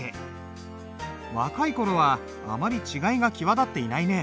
若い頃はあまり違いが際立っていないね。